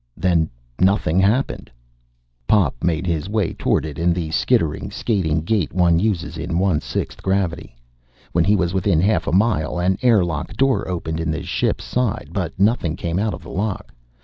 Then nothing happened. Pop made his way toward it in the skittering, skating gait one uses in one sixth gravity. When he was within half a mile, an air lock door opened in the ship's side. But nothing came out of the lock.